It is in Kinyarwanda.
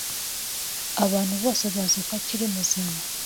Abantu bose bazi ko akiri muzima.